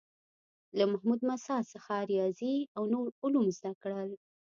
له محمود مساح څخه ریاضي او نور علوم زده کړل.